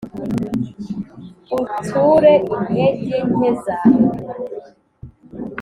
uyture intege nke zawe